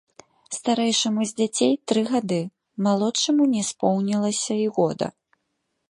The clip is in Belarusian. Старэйшаму з дзяцей тры гады, малодшаму не споўнілася і года.